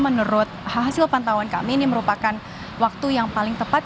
menurut hasil pantauan kami ini merupakan waktu yang paling tepat